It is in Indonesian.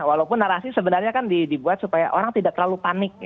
walaupun narasi sebenarnya kan dibuat supaya orang tidak terlalu panik